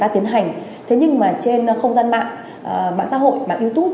thế nhưng mà trên không gian mạng mạng xã hội mạng youtube